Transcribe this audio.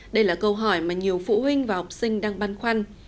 đây là câu hỏi mà nhiều phụ huynh và học sinh đang băn khoăn